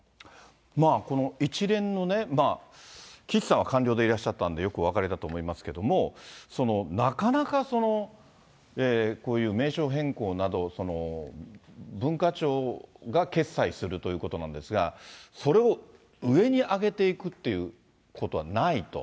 まあ、この一連のね、岸さんは官僚でいらっしゃったんで、よくお分かりだと思いますけれども、なかなかこういう名称変更など、文化庁が決裁するということなんですが、それを上に上げていくっていうことはないと。